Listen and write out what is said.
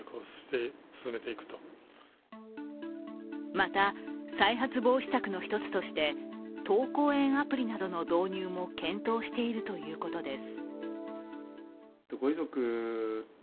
また、再発防止策の一つとして登降園アプリなどの導入も検討しているということです。